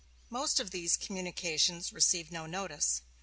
Most of these communications received no notice.